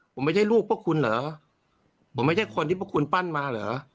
ผมไม่ใช่ลูกพวกคุณเหรอผมไม่ใช่คนที่พวกคุณปั้นมาเหรอ